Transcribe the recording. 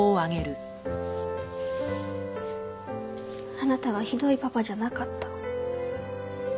あなたはひどいパパじゃなかった。